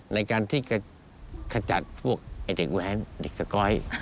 ในการที่ขจัดพวกไอ้เด็กแวนเด็กสะก้อย